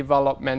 và xây dựng